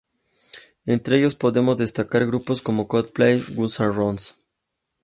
Entre ellos podemos destacar grupos como Coldplay o Guns 'n' Roses.